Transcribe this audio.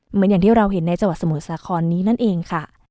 เหมือนอย่างที่เราเห็นในจังหวัดสมุทรสาครนี้นั่นเองค่ะ